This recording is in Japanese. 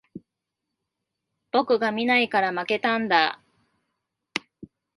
俺が見ないから負けたんだ